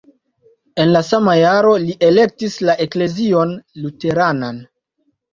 En la sama jaro li elektis la eklezion luteranan.